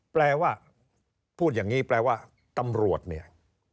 แปลว่าพูดอย่างนี้แปลว่าตำรวจเนี่ย